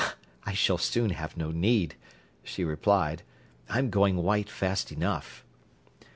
"I s'll soon have no need," she replied. "I'm going white fast enough."